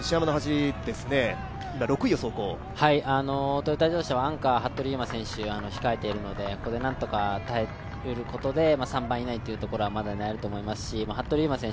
トヨタ自動車はアンカー・服部勇馬選手控えているのでここで何とか耐えることで、３番以内にはまだ狙えると思いますし、服部勇馬選手